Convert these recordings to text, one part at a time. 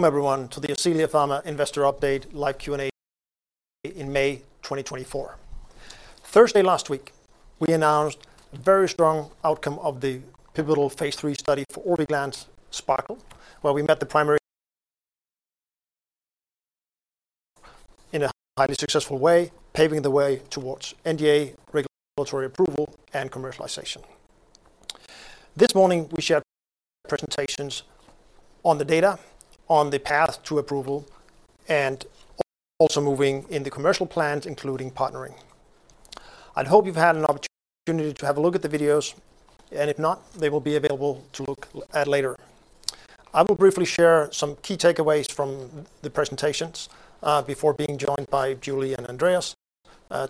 Welcome, welcome everyone to the Ascelia Pharma Investor Update live Q&A in May 2024. Thursday last week, we announced a very strong outcome of the pivotal phase III study for Orviglance SPARKLE, where we met the primary in a highly successful way, paving the way towards NDA regulatory approval and commercialization. This morning, we shared presentations on the data, on the path to approval, and also moving in the commercial plans, including partnering. I'd hope you've had an opportunity to have a look at the videos, and if not, they will be available to look at later. I will briefly share some key takeaways from the presentations before being joined by Julie and Andreas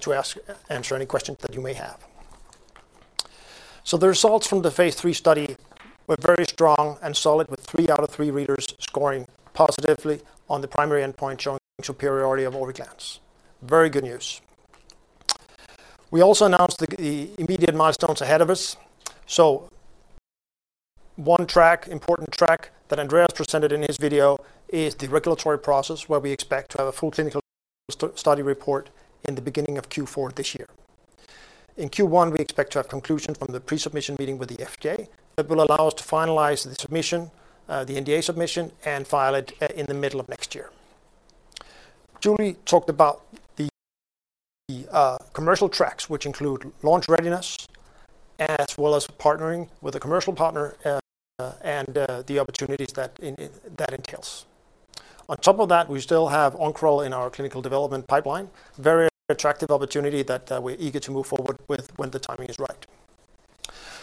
to answer any questions that you may have. So the results from the phase III study were very strong and solid, with three out of three readers scoring positively on the primary endpoint, showing superiority of Orviglance. Very good news. We also announced the immediate milestones ahead of us. So one track, important track that Andreas presented in his video is the regulatory process, where we expect to have a full clinical study report in the beginning of Q4 this year. In Q1, we expect to have conclusion from the pre-submission meeting with the FDA. That will allow us to finalize the submission, the NDA submission, and file it in the middle of next year. Julie talked about the commercial tracks, which include launch readiness, as well as partnering with a commercial partner, and the opportunities that that entails. On top of that, we still have Oncoral in our clinical development pipeline, very attractive opportunity that we're eager to move forward with when the timing is right.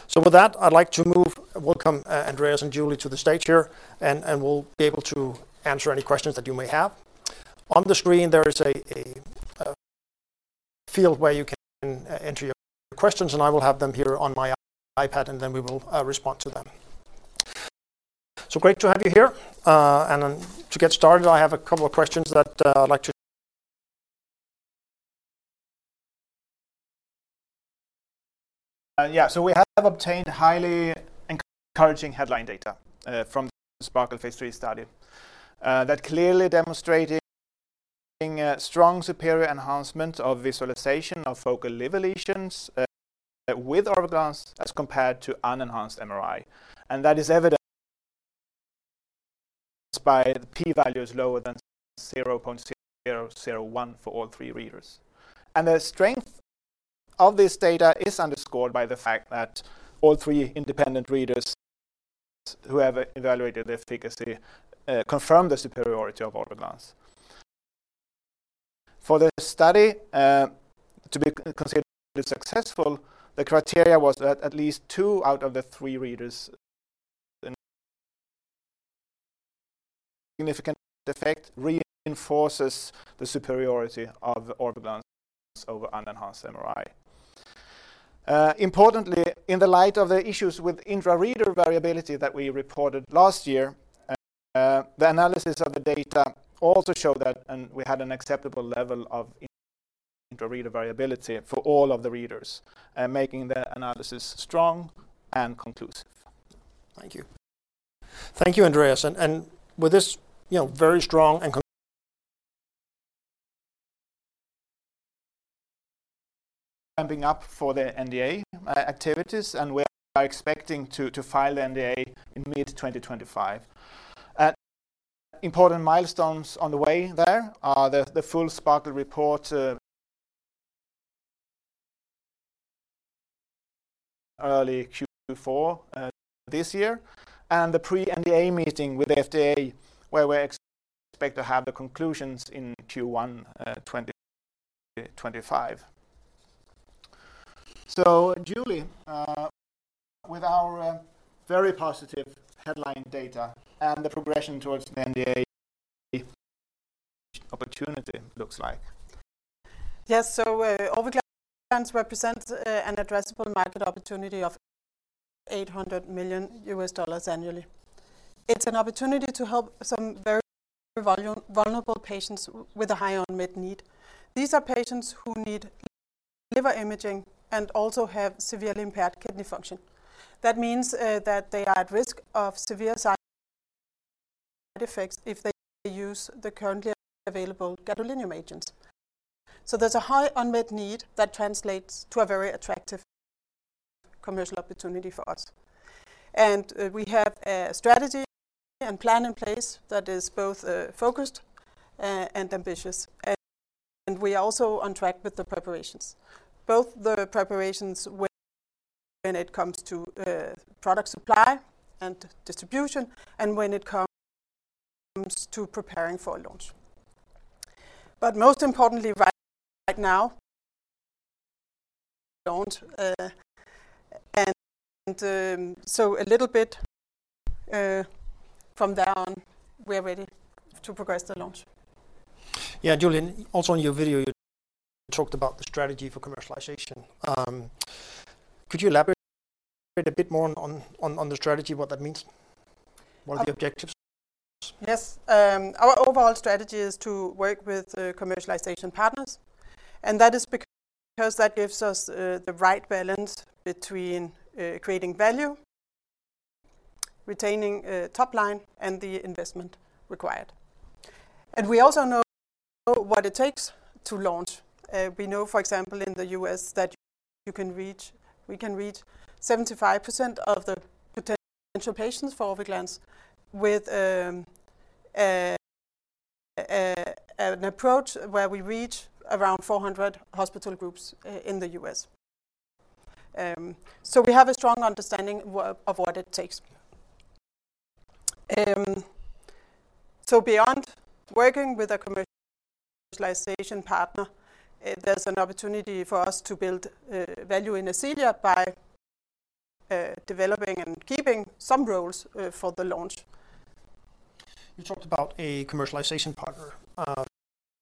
So with that, I'd like to move. Welcome, Andreas and Julie, to the stage here, and we'll be able to answer any questions that you may have. On the screen, there is a field where you can enter your questions, and I will have them here on my iPad, and then we will respond to them. So great to have you here. And then to get started, I have a couple of questions that I'd like to. Yeah, so we have obtained highly encouraging headline data from the SPARKLE phase III study that clearly demonstrated strong superior enhancement of visualization of focal liver lesions with Orviglance as compared to unenhanced MRI, and that is evident by the p-values lower than 0.001% for all three readers. And the strength of this data is underscored by the fact that all three independent readers who have evaluated the efficacy confirmed the superiority of Orviglance. For the study to be considered successful, the criteria was that at least two out of the three readers- significant effect reinforces the superiority of Orviglance over unenhanced MRI. Importantly, in the light of the issues with intra-reader variability that we reported last year, the analysis of the data also showed that, and we had an acceptable level of intra-reader variability for all of the readers, making the analysis strong and conclusive. Thank you. Thank you, Andreas, and with this, you know, very strong and. Ramping up for the NDA activities, and we are expecting to file the NDA in mid 2025. Important milestones on the way there are the full SPARKLE report early Q4 this year, and the pre-NDA meeting with the FDA, where we expect to have the conclusions in Q1 2025. So, Julie, with our very positive headline data and the progression towards the NDA opportunity looks like? Yes, so, Orviglance represents an addressable market opportunity of $800 million annually. It's an opportunity to help some very vulnerable patients with a high unmet need. These are patients who need liver imaging and also have severely impaired kidney function. That means that they are at risk of severe side effects if they use the currently available gadolinium agents. So there's a high unmet need that translates to a very attractive commercial opportunity for us. And we have a strategy and plan in place that is both focused and ambitious, and we are also on track with the preparations. Both the preparations when it comes to product supply and distribution, and when it comes to preparing for a launch. But most importantly, right now, don't. So, a little bit from there on, we're ready to progress the launch. Yeah, Julie, also in your video, you talked about the strategy for commercialization. Could you elaborate a bit more on the strategy, what that means? What are the objectives? Yes. Our overall strategy is to work with commercialization partners, and that is because because that gives us the right balance between creating value, retaining top line, and the investment required. We also know what it takes to launch. We know, for example, in the U.S., that we can reach 75% of the potential patients for Orviglance with an approach where we reach around 400 hospital groups in the U.S. So we have a strong understanding of what it takes. So beyond working with a commercialization partner, there's an opportunity for us to build value in Ascelia by developing and keeping some roles for the launch. You talked about a commercialization partner.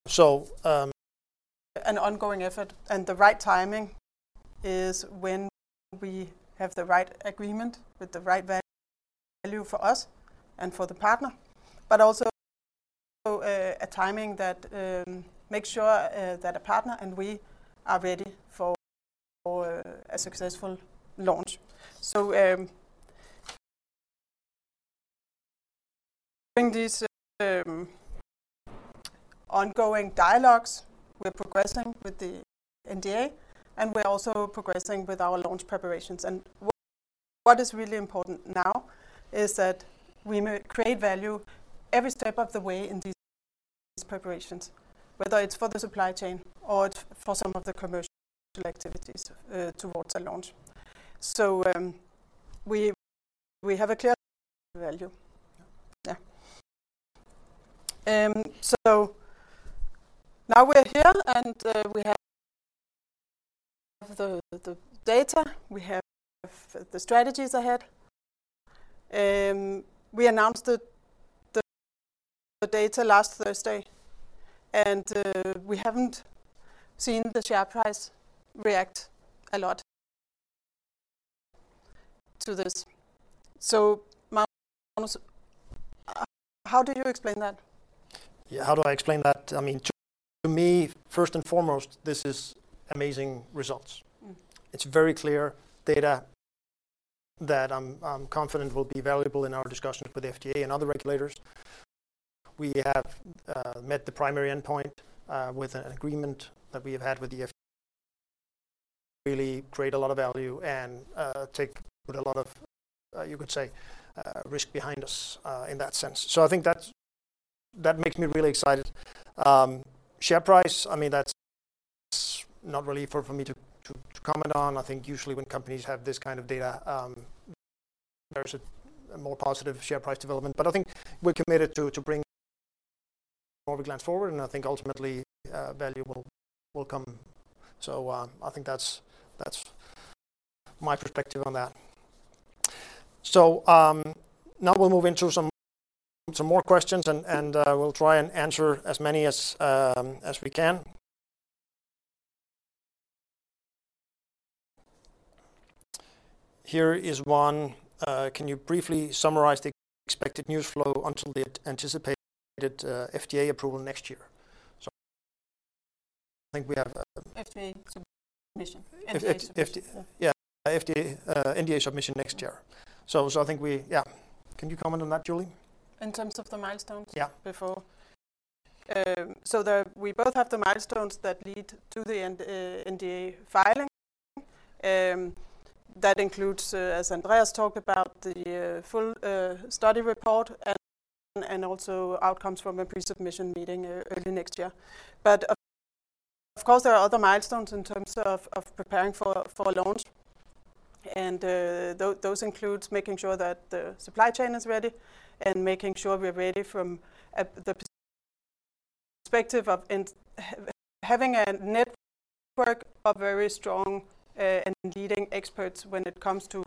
So, An ongoing effort, and the right timing is when we have the right agreement with the right value, value for us and for the partner, but also a timing that makes sure that a partner and we are ready for a successful launch. So, during these ongoing dialogues, we're progressing with the NDA, and we're also progressing with our launch preparations. And what is really important now is that we create value every step of the way in these preparations, whether it's for the supply chain or for some of the commercial activities towards a launch. So, we have a clear value. Yeah. So now we're here, and we have the data, we have the strategies ahead. We announced the data last Thursday, and we haven't seen the share price react a lot to this. So, Magnus, how do you explain that? Yeah, how do I explain that? I mean, to me, first and foremost, this is amazing results. It's very clear data that I'm confident will be valuable in our discussions with the FDA and other regulators. We have met the primary endpoint with an agreement that we have had with the FDA, really create a lot of value and take a lot of, you could say, risk behind us in that sense. So I think that makes me really excited. Share price, I mean, that's not really for me to comment on. I think usually when companies have this kind of data, there's a more positive share price development. But I think we're committed to bring Orviglance forward, and I think ultimately value will come. So I think that's my perspective on that. So, now we'll move into some more questions, and we'll try and answer as many as we can. Here is one. "Can you briefly summarize the expected news flow until the anticipated FDA approval next year?" So I think we have, FDA submission. NDA submission. Yeah, FDA, NDA submission next year. So, I think we... Yeah. Can you comment on that, Julie? In terms of the milestones. Yeah Before? So we both have the milestones that lead to the NDA filing. That includes, as Andreas talked about, the full study report and also outcomes from a pre-submission meeting, early next year. But of course, there are other milestones in terms of preparing for a launch, and those includes making sure that the supply chain is ready and making sure we're ready from the perspective of having a network of very strong and leading experts when it comes to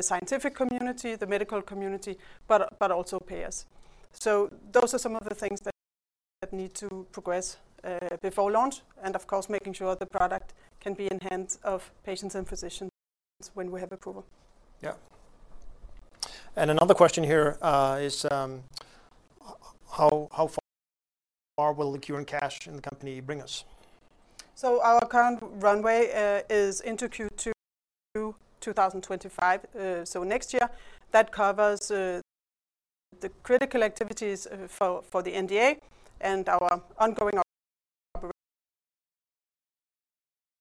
the scientific community, the medical community, but also payers. So those are some of the things that need to progress before launch, and of course, making sure the product can be in the hands of patients and physicians when we have approval. Yeah. And another question here is, "How far will the current cash in the company bring us? So our current runway is into Q2, 2025, so next year. That covers the critical activities for the NDA and our ongoing operations.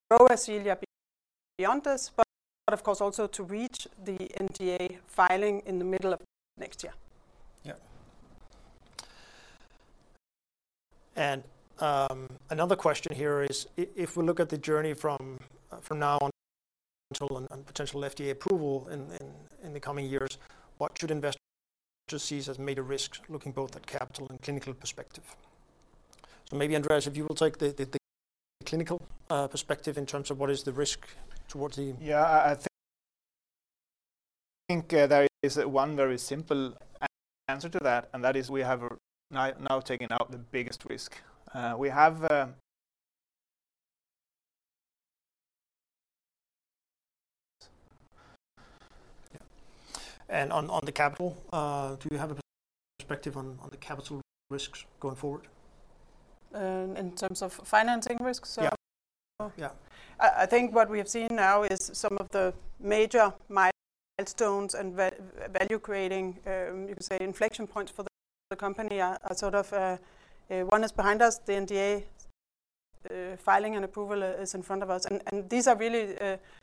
Grow Ascelia beyond this, but, of course, also to reach the NDA filing in the middle of next year. Yeah. And, another question here is, "If we look at the journey from now until, and potential FDA approval in the coming years, what should investors see as major risks, looking both at capital and clinical perspective?" So maybe, Andreas, if you will take the clinical perspective in terms of what is the risk towards the- Yeah, I think there is one very simple answer to that, and that is we have now taken out the biggest risk. We have. On the capital, do you have a perspective on the capital risks going forward? In terms of financing risks or. Yeah. Yeah. I think what we have seen now is some of the major milestones and value creating, you could say, inflection points for the company are sort of one is behind us, the NDA filing and approval is in front of us. These are really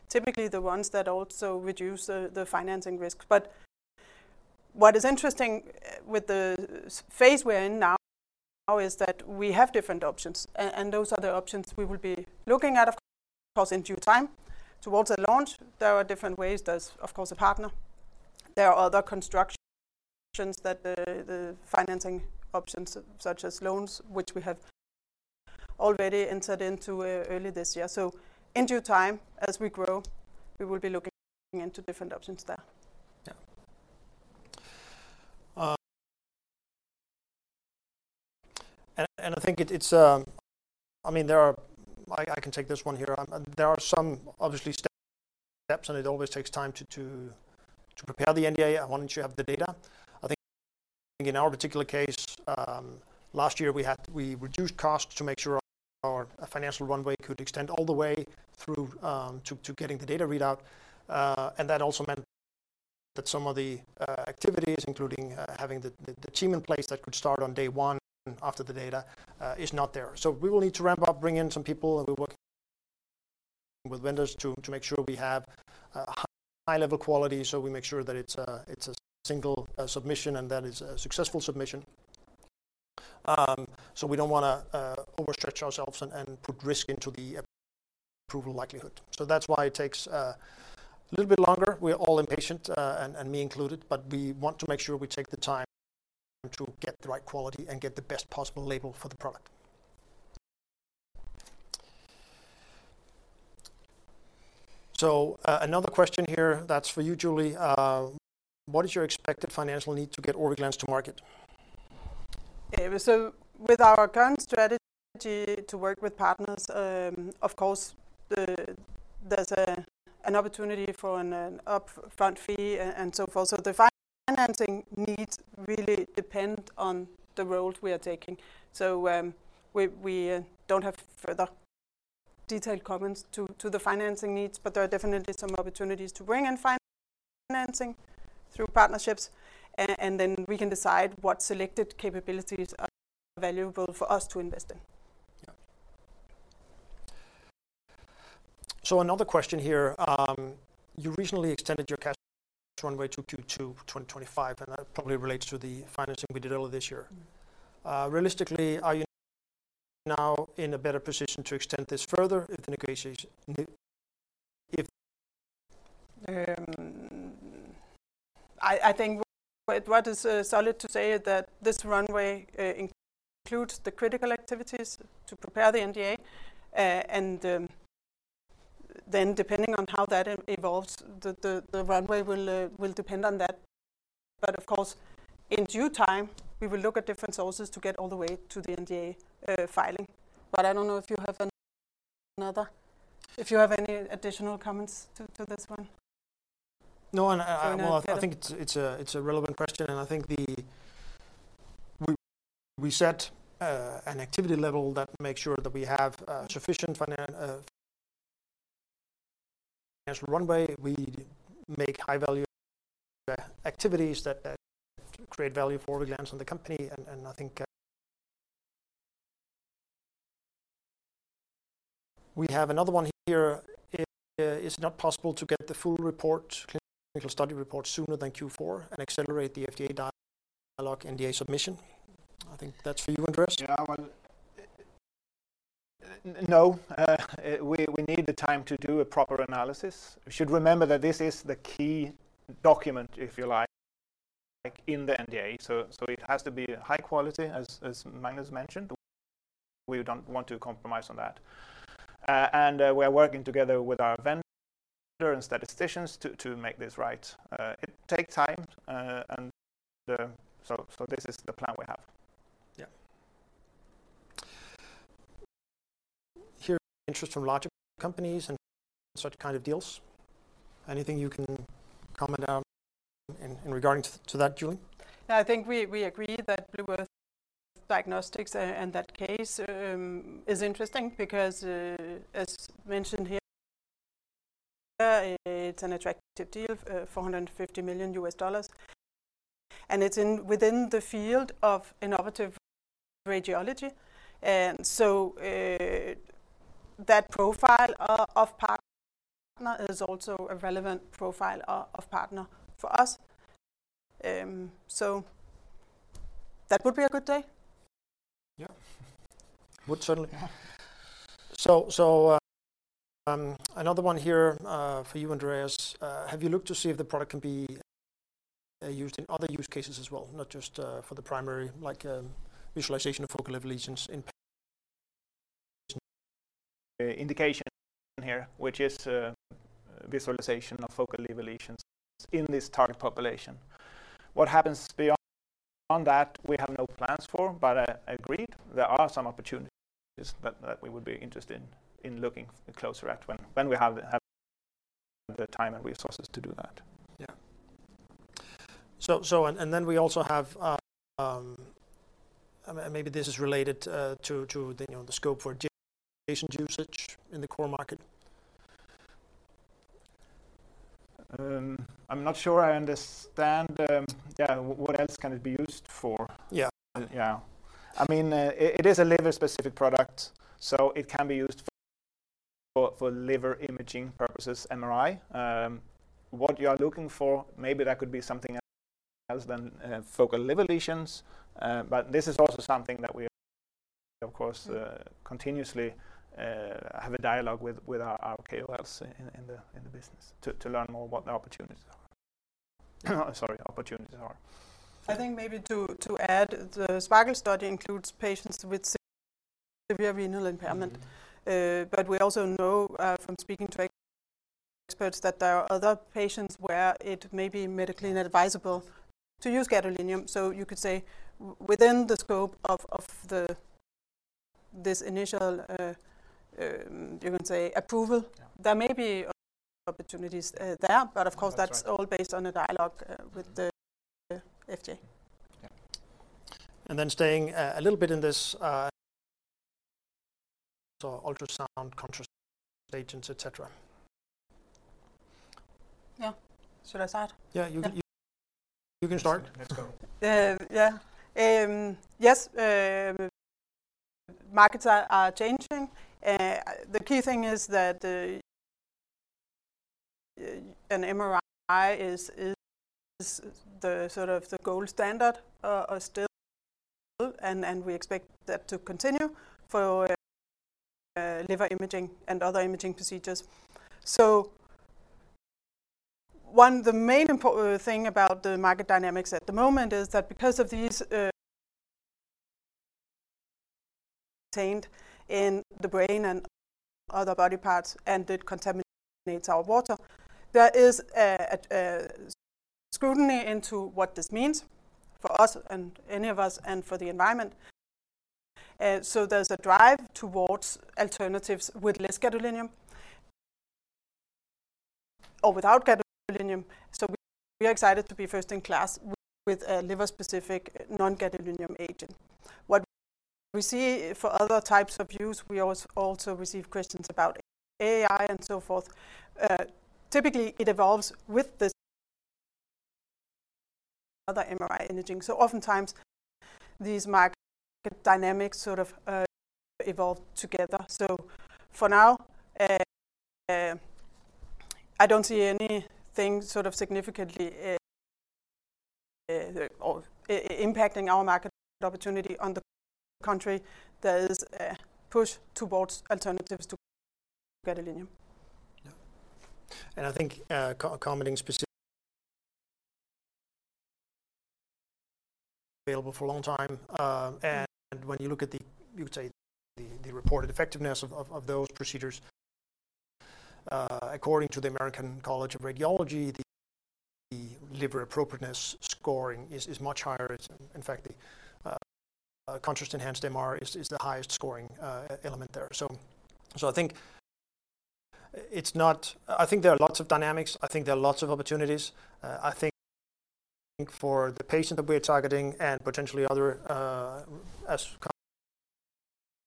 typically the ones that also reduce the financing risks. But what is interesting with the phase we're in now is that we have different options, and those are the options we will be looking at, of course, in due time. Towards the launch, there are different ways. There's, of course, a partner. There are other constructions that the financing options, such as loans, which we have already entered into early this year. So in due time, as we grow, we will be looking into different options there. Yeah. And I think it's. I mean, there are I can take this one here. There are some obvious steps, and it always takes time to prepare the NDA once you have the data. I think in our particular case, last year we reduced costs to make sure our financial runway could extend all the way through to getting the data readout. And that also meant that some of the activities, including having the team in place that could start on day one after the data, is not there. So we will need to ramp up, bring in some people, and we work with vendors to make sure we have high level quality, so we make sure that it's a single submission, and that is a successful submission. So we don't want to overstretch ourselves and put risk into the approval likelihood. So that's why it takes a little bit longer. We're all impatient, and me included, but we want to make sure we take the time to get the right quality and get the best possible label for the product. So another question here, that's for you, Julie. What is your expected financial need to get Orviglance to market? So with our current strategy to work with partners, of course, there's an opportunity for an upfront fee and so forth. So the financing needs really depend on the road we are taking. So, we don't have further detailed comments to the financing needs, but there are definitely some opportunities to bring in financing through partnerships, and then we can decide what selected capabilities are valuable for us to invest in. Yeah. Another question here. You recently extended your cash runway to Q2 2025, and that probably relates to the financing we did earlier this year. Realistically, are you now in a better position to extend this further if. I think what is solid to say is that this runway includes the critical activities to prepare the NDA, and then depending on how that evolves, the runway will depend on that. But of course, in due time, we will look at different sources to get all the way to the NDA filing. But I don't know if you have any additional comments to this one? No, and I. Well, I think it's a relevant question, and I think we set an activity level that makes sure that we have sufficient financial runway. We make high-value activities that create value for Orviglance and the company, and I think... We have another one here. Is it not possible to get the full report, Clinical Study Report, sooner than Q4 and accelerate the FDA dialogue NDA submission? I think that's for you, Andreas. Yeah, well, no, we need the time to do a proper analysis. We should remember that this is the key document, if you like, in the NDA, so it has to be high quality, as Magnus mentioned. We don't want to compromise on that. It take time, and so this is the plan we have. Yeah. Here, interest from larger companies and such kind of deals. Anything you can comment on regarding to that, Julie? I think we agree that Blue Earth Diagnostics and that case is interesting because, as mentioned here, it's an attractive deal, $450 million, and it's within the field of innovative radiology. So that profile of partner is also a relevant profile of partner for us. So that would be a good day. Yeah. Would certainly. Yeah. Another one here for you, Andreas: Have you looked to see if the product can be used in other use cases as well, not just for the primary, like, visualization of focal liver lesions in. Indication here, which is, visualization of focal liver lesions in this target population? What happens beyond that, we have no plans for, but, agreed, there are some opportunities that we would be interested in looking closer at when we have the time and resources to do that. Yeah. So, and then we also have, and maybe this is related to the, you know, the scope for patient usage in the core market. I'm not sure I understand, yeah, what else can it be used for? Yeah. Yeah. I mean, it is a liver-specific product, so it can be used for liver imaging purposes, MRI. What you are looking for, maybe that could be something else than focal liver lesions. But this is also something that we, of course, continuously have a dialogue with our KLS in the business, to learn more what the opportunities are. Sorry, opportunities are. I think maybe to, to add, the SPARKLE study includes patients with severe renal impairment. But we also know, from speaking to experts, that there are other patients where it may be medically inadvisable to use gadolinium. So you could say, within the scope of this initial, you can say, approval. There may be opportunities, there, but of course that's all based on a dialogue with the FDA. Yeah. And then staying, a little bit in this, ultrasound contrast agents, et cetera. Yeah. Should I start? Yeah, you can, you can start. Let's go. Yeah. Yes, markets are changing. The key thing is that an MRI is the sort of the gold standard still, and we expect that to continue for liver imaging and other imaging procedures. So the main important thing about the market dynamics at the moment is that because of these retained in the brain and other body parts, and it contaminates our water, there is a scrutiny into what this means for us, and any of us, and for the environment. So there's a drive towards alternatives with less gadolinium or without gadolinium. So we are excited to be first in class with a liver-specific non-gadolinium agent. What we see for other types of use, we also receive questions about AI and so forth. Typically, it evolves with this other MRI imaging. So oftentimes, these market dynamics sort of, evolve together. So for now, I don't see anything sort of significantly, impacting our market opportunity. On the contrary, there is a push towards alternatives to gadolinium. Yeah. And I think, co-commenting specifically available for a long time. And when you look at the, you would say, the reported effectiveness of those procedures, according to the American College of Radiology, the liver appropriateness scoring is much higher. In fact, the contrast-enhanced MR is the highest scoring element there. So I think there are lots of dynamics. I think there are lots of opportunities. I think for the patient that we are targeting and potentially other, as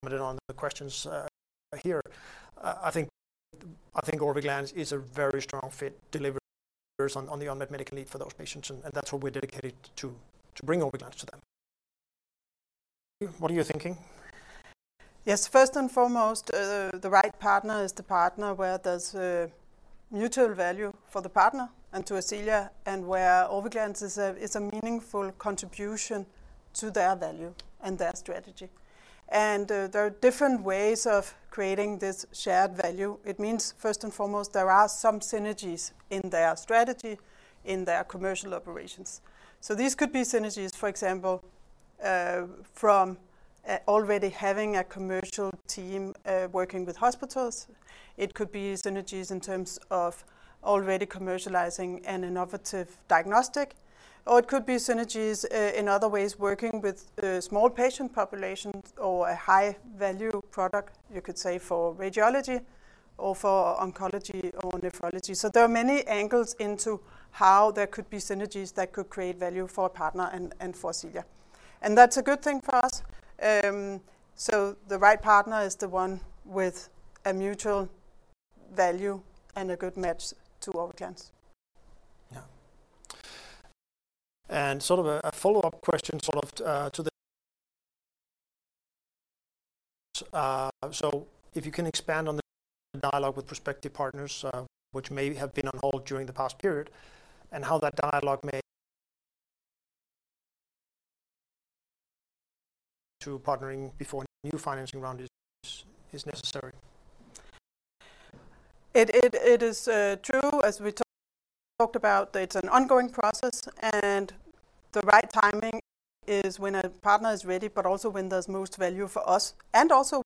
commented on the questions, here, I think Orviglance is a very strong fit, delivers on the unmet medical need for those patients, and that's what we're dedicated to bring Orviglance to them. What are you thinking? Yes, first and foremost, the right partner is the partner where there's a mutual value for the partner and to Ascelia, and where Orviglance is a meaningful contribution to their value and their strategy. And, there are different ways of creating this shared value. It means, first and foremost, there are some synergies in their strategy, in their commercial operations. So these could be synergies, for example, from already having a commercial team working with hospitals. It could be synergies in terms of already commercializing an innovative diagnostic, or it could be synergies in other ways, working with small patient populations or a high-value product, you could say, for radiology or for oncology or nephrology. So there are many angles into how there could be synergies that could create value for a partner and, and for Ascelia. And that's a good thing for us. So the right partner is the one with a mutual value and a good match to Orviglance. Yeah. And sort of a follow-up question, sort of, to the. So if you can expand on the dialogue with prospective partners, which may have been on hold during the past period, and how that dialogue may. to partnering before new financing round is necessary. It is true, as we talked about, it's an ongoing process, and the right timing is when a partner is ready, but also when there's most value for us, and also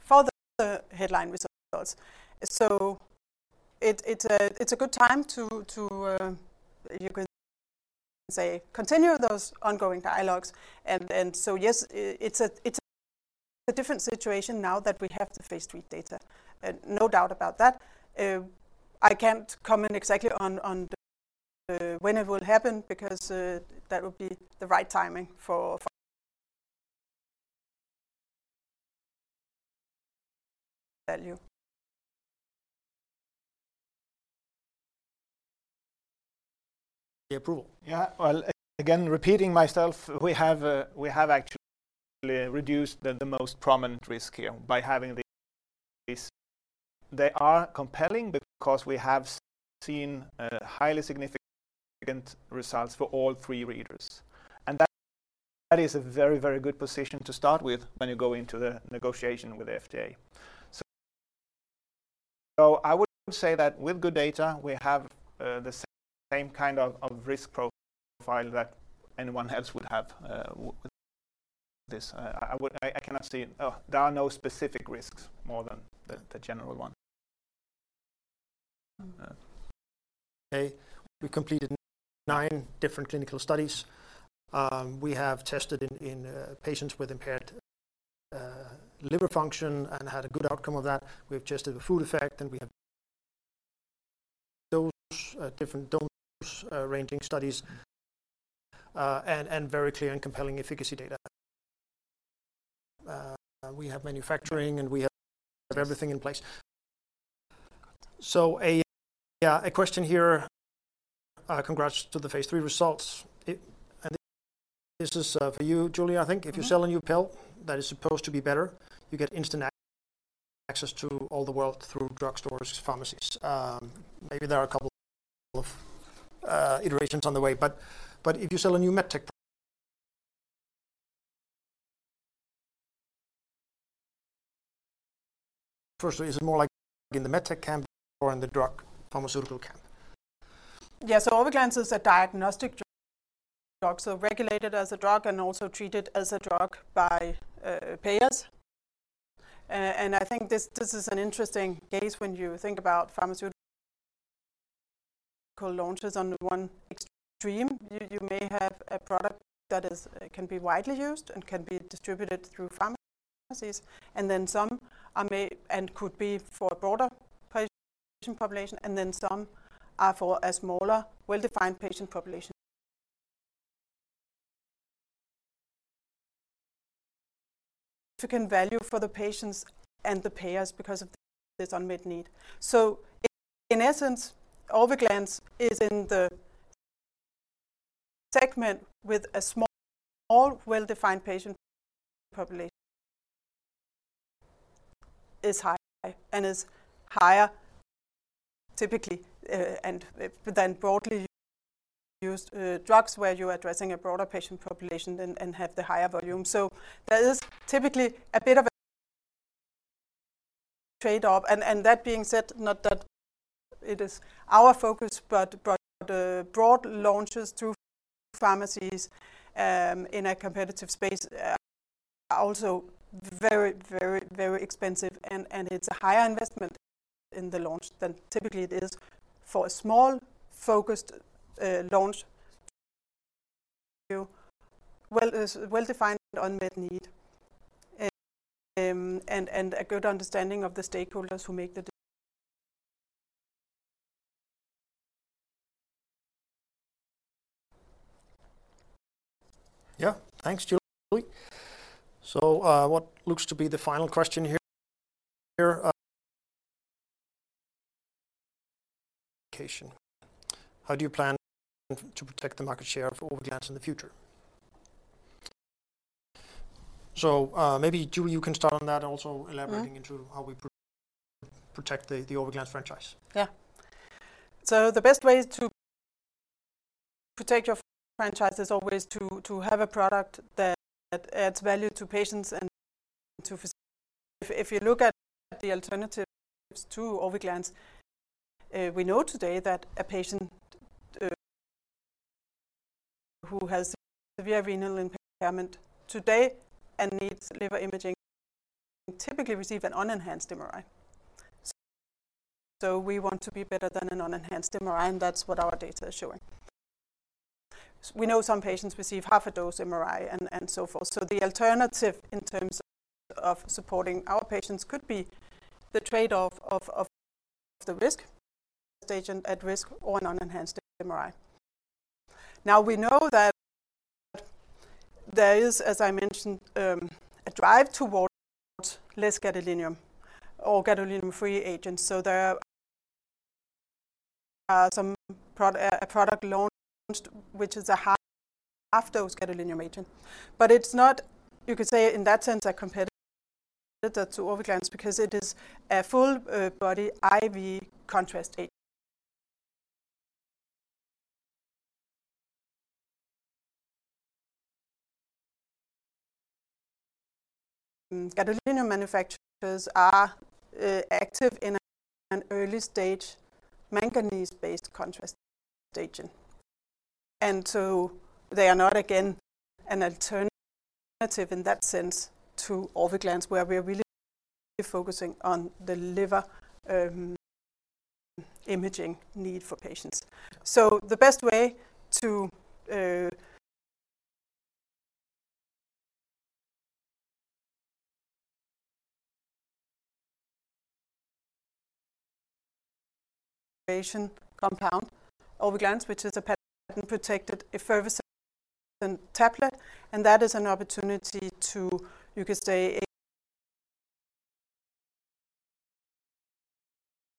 for the headline results. So it's a good time to, you can say, continue those ongoing dialogues. And so yes, it's a different situation now that we have the phase III data, no doubt about that. I can't comment exactly on when it will happen, because that would be the right timing for value. The approval? Yeah. Well, again, repeating myself, we have actually reduced the most prominent risk here by having these. They are compelling because we have seen highly significant results for all three readers. And that is a very, very good position to start with when you go into the negotiation with the FDA. So I would say that with good data, we have the same kind of risk profile that anyone else would have with this. I would I cannot see. There are no specific risks more than the general one. We completed nine different clinical studies. We have tested in patients with impaired liver function and had a good outcome of that. We've tested the food effect, and we have those different dose ranging studies, and very clear and compelling efficacy data. We have manufacturing, and we have everything in place. So, yeah, a question here: "Congrats to the phase III results." It and this is for you, Julie, I think. If you sell a new pill that is supposed to be better, you get instant access to all the world through drugstores, pharmacies. Maybe there are a couple of iterations on the way, but if you sell a new med tech product, firstly, is it more like in the med tech camp or in the drug pharmaceutical camp? Yeah, so Orviglance is a diagnostic drug, so regulated as a drug and also treated as a drug by payers. And I think this is an interesting case when you think about pharmaceutical launches on the one extreme. You may have a product that can be widely used and can be distributed through pharmacies, and then some are may and could be for a broader patient population, and then some are for a smaller, well-defined patient population. Significant value for the patients and the payers because of this unmet need. So in essence, Orviglance is in the segment with a small, well-defined patient population. Is high, and is higher, typically, and but then broadly used drugs, where you're addressing a broader patient population and have the higher volume. So there is typically a bit of a trade-off. That being said, not that it is our focus, but broad launches through pharmacies in a competitive space are also very, very, very expensive, and it's a higher investment in the launch than typically it is for a small, focused launch to well-defined unmet need, and a good understanding of the stakeholders who make the- Yeah. Thanks, Julie. So, what looks to be the final question here: "How do you plan to protect the market share for Orviglance in the future?" So, maybe, Julie, you can start on that and also. Yeah. Elaborating into how we protect the Orviglance franchise. Yeah. So the best way to protect your franchise is always to have a product that adds value to patients and to physicians. If you look at the alternatives to Orviglance, we know today that a patient who has severe renal impairment today and needs liver imaging typically receive an unenhanced MRI. So we want to be better than an unenhanced MRI, and that's what our data is showing. We know some patients receive half a dose MRI and so forth. So the alternative in terms of supporting our patients could be the trade-off of the risk agent at risk or an unenhanced MRI. Now, we know that there is, as I mentioned, a drive towards less gadolinium or gadolinium-free agents. So there are some a product launched, which is a half-dose gadolinium agent. But it's not, you could say, in that sense, a competitor to Orviglance because it is a full, body IV contrast agent. Gadolinium manufacturers are active in an early stage manganese-based contrast agent. And so they are not, again, an alternative, alternative in that sense to Orviglance, where we are really focusing on the liver imaging need for patients. So the best way to compound Orviglance, which is a patent-protected effervescent tablet, and that is an opportunity to, you could say,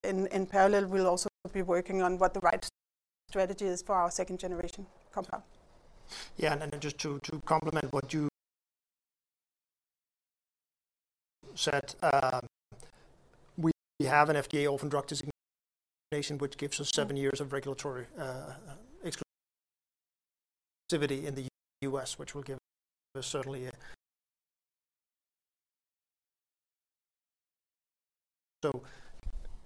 in parallel, we'll also be working on what the right strategy is for our second generation compound. Yeah, and then just to complement what you said, we have an FDA orphan drug designation, which gives us seven years of regulatory exclusivity in the U.S., which will give us certainly a so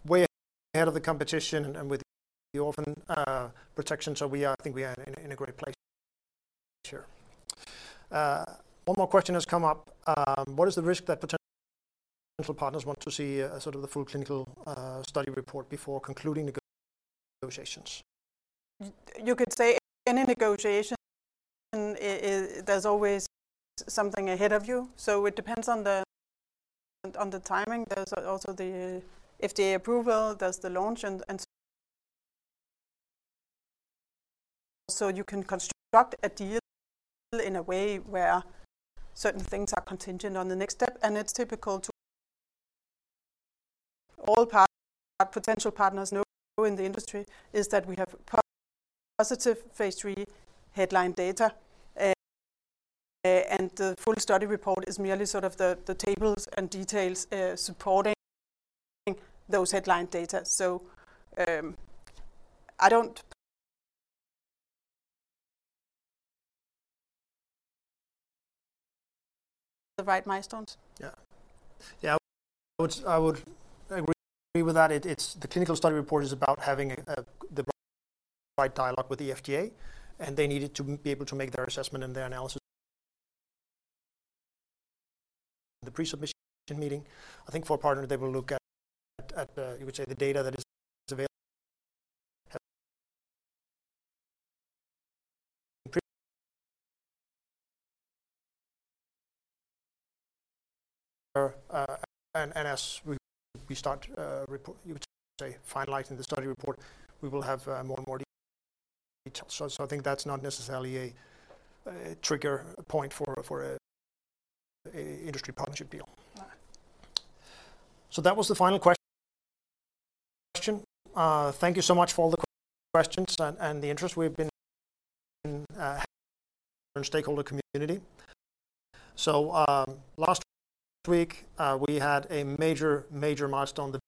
we're ahead of the competition and with the orphan protection. So we are. I think we are in a great place here. One more question has come up. What is the risk that potential partners want to see sort of the full clinical study report before concluding the negotiations? You could say, any negotiation there's always something ahead of you, so it depends on the, on the timing. There's also the FDA approval, there's the launch, and so you can construct a deal in a way where certain things are contingent on the next step, and it's typical to all partners, potential partners know in the industry is that we have positive phase III headline data, and the full study report is merely sort of the, the tables and details supporting those headline data. So, I don't. The right milestones. Yeah. Yeah, I would, I would, I would agree with that. It's the clinical study report is about having the right dialogue with the FDA, and they needed to be able to make their assessment and their analysis. The pre-submission meeting, I think for a partner, they will look at you would say, the data that is available. And as we start report, you would say, finalizing the study report, we will have more and more detail. So I think that's not necessarily a trigger point for a industry partnership deal. So that was the final question. Thank you so much for all the questions and the interest. We've been stakeholder community. So, last week, we had a major milestone, the.